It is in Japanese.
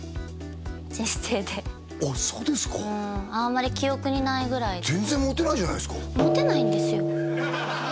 そうですかうんあんまり記憶にないぐらい全然モテないじゃないですか何なんですか